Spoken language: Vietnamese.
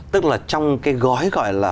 tức là trong cái gói gọi là